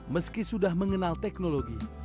meski sudah mengenal teknologi